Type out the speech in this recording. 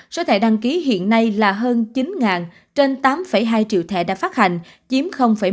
số thẻ đăng ký hiện nay là hơn chín trên tám hai triệu thẻ đã phát hành chiếm một